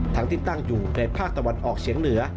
ทั้งที่ตั้งอยู่ในภาคตะวันออกเฉียงเหนือ